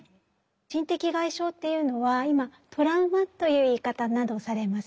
心的外傷というのは今「トラウマ」という言い方などをされます。